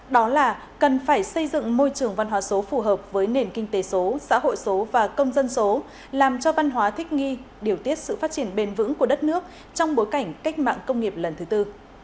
đó là cần phải xây dựng môi trường văn hóa số phù hợp với nền kinh tế số xã hội số và công dân số làm cho văn hóa thích nghi điều tiết sự phát triển bền vững của đất nước trong bối cảnh cách mạng công nghiệp lần thứ tư